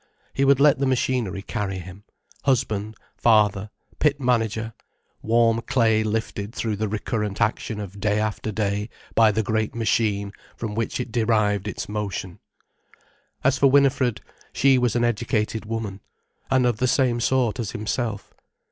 He would let the machinery carry him; husband, father, pit manager, warm clay lifted through the recurrent action of day after day by the great machine from which it derived its motion. As for Winifred, she was an educated woman, and of the same sort as himself.